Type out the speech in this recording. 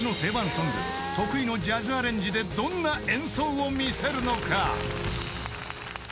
ソング得意のジャズアレンジでどんな演奏を見せるのか？］